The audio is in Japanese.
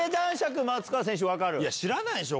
知らないでしょ？